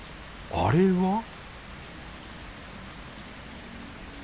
あれは